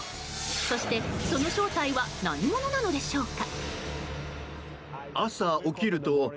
そして、その正体は何者なのでしょうか。